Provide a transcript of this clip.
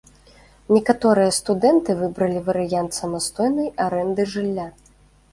Некаторыя студэнты выбралі варыянт самастойнай арэнды жылля.